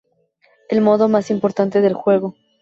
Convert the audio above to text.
El modo más importante del juego.